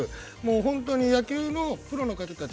本当に野球のプロの方たち